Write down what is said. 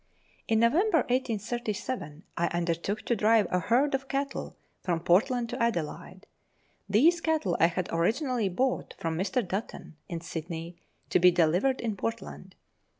In November 1837 I undertook to drive a herd of cattle from Portland to Adelaide ; these cattle I had originally bought from Mr. Dutton, in Sydney, to be delivered in Portland.